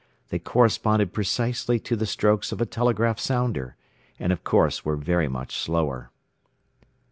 They corresponded precisely to the strokes of a telegraph sounder, and of course were very much slower.